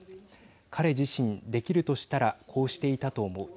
彼自身、できるとしたらこうしていたと思う。